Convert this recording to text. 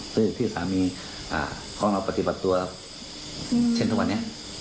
ซึ่งที่สามีของเราปฏิบัติตัวเช่นทุกวันนี้